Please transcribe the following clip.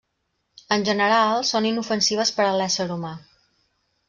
En general, són inofensives per a l'ésser humà.